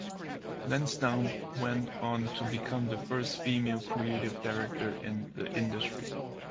Lansdowne went on to become the first female creative director in the industry.